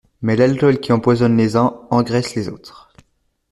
Mais l'alcool qui empoisonne les uns engraisse les autres.